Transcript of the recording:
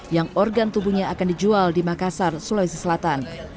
yang organ tubuhnya akan dijual di makassar sulawesi selatan